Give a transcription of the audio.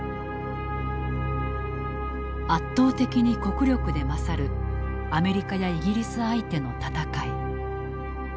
圧倒的に国力で勝るアメリカやイギリス相手の戦い。